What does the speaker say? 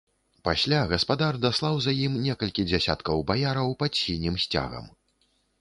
Пасля гаспадар даслаў за ім некалькі дзясяткаў баяраў пад сінім сцягам.